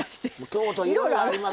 京都いろいろあります。